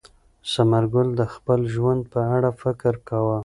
ثمر ګل د خپل ژوند په اړه فکر کاوه.